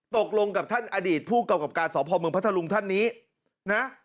ตกลงกับท่านอดีตผู้กำกับการสพเมืองพัทธรุงท่านนี้นะ